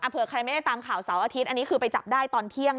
เผื่อใครไม่ได้ตามข่าวเสาร์อาทิตย์อันนี้คือไปจับได้ตอนเที่ยง